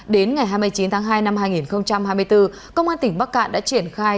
đến ngày hai mươi chín tháng hai năm hai nghìn hai mươi bốn công an tỉnh bắc cạn đã triển khai